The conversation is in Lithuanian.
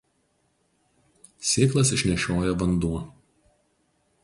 Sėklas išnešioja vanduo.